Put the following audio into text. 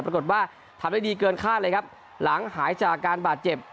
ปรากฏว่าทำได้ดีเกินคาดเลยครับหลังหายจากการบาดเจ็บ